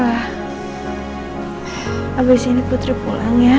pak abis ini putri pulang ya